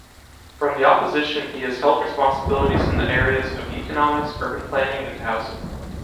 From the opposition he has held responsibilities in the areas of Economics, Urban Planning and Housing.